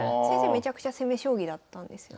めちゃくちゃ攻め将棋だったんですよね